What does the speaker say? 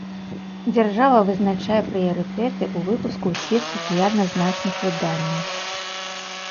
Дзяржава вызначае прыярытэты ў выпуску ў свет сацыяльна значных выданняў.